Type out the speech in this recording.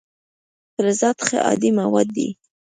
فلزات ښه هادي مواد دي.